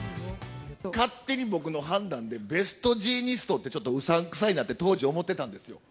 勝手に僕の判断でベストジーニストってちょっとうさんくさいなって、当時、思ってたんです。